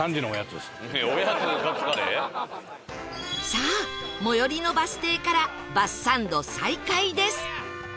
さあ最寄りのバス停からバスサンド再開です